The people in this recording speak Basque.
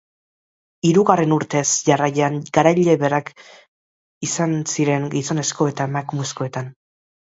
Hirugarren urtez jarraian garaile berak izan ziren gizonezko eta emakumezkoetan.